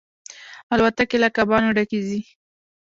الوتکې له کبانو ډکې ځي.